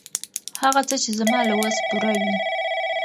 هغه څه، چې زما له وس پوره وي.